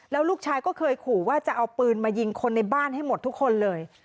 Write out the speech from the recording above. แล้วลูกชายก็เคยขู่ว่าจะเอาปืนมายิงคนในบ้านให้หมดทุกคนเลย